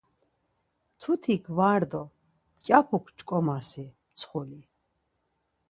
Mtutik var do mǩyapuk ç̌ǩomasi mtsxuli?